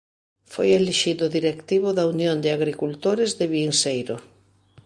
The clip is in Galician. Foi elixido directivo da Unión de Agricultores de Vinseiro.